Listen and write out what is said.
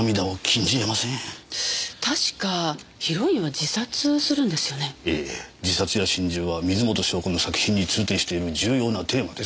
自殺や心中は水元湘子の作品に通底している重要なテーマです。